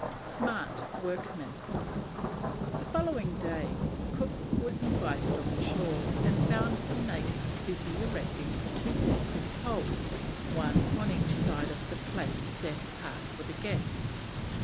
SMART WORKMEN. The following day Cook was invited on shore and found some natives busy erecting two sets of poles, one on each side of the place set apart for the guests.